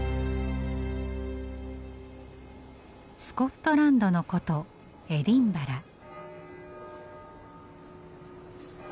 スコットランドの古都エディンバラ。